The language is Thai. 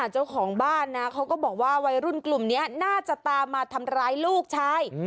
เจ้าของบ้านนะเขาก็บอกว่าวัยรุ่นกลุ่มนี้น่าจะตามมาทำร้ายลูกชาย